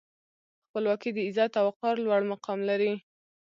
خپلواکي د عزت او وقار لوړ مقام لري.